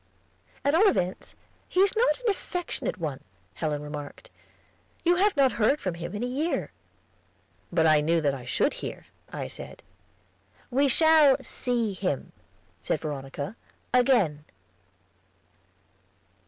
"At all events, he is not an affectionate one," Helen remarked. "You have not heard from him in a year." "But I knew that I should hear," I said. "We shall see him," said Veronica, "again."